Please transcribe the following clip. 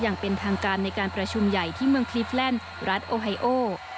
อย่างเป็นทางการในการประชุมใหญ่ที่เมืองคลิฟแลนด์รัฐโอไฮโอ